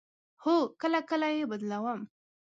هو، کله کله یی بدلوم